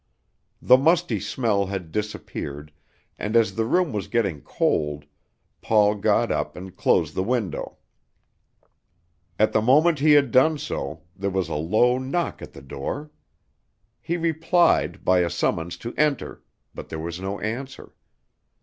The musty smell had disappeared, and as the room was getting cold, Paul got up and closed the window. At the moment he had done so, there was a low knock at the door. He replied by a summons to enter, but there was no answer.